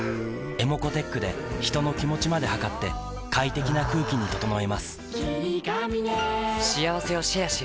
ｅｍｏｃｏーｔｅｃｈで人の気持ちまで測って快適な空気に整えます